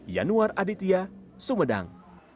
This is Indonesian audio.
yanuar aditya sumedang